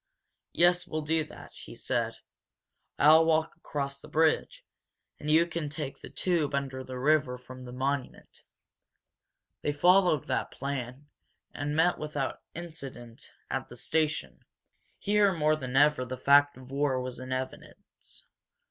"Yes, we'll do that," he said. "I'll walk across the bridge, and you can take the tube under the river from the Monument." They followed that plan, and met without incident at the station. Here more than ever the fact of war was in evidence.